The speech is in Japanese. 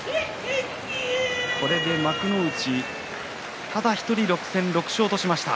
これで幕内ただ１人６戦６勝としました。